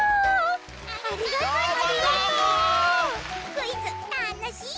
クイズたのしい！